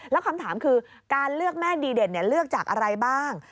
แล้วคำถามคือการเลือกแม่ดีเด่นเลือกจากอะไรบ้าง